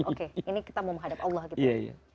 oke ini kita mau menghadap allah gitu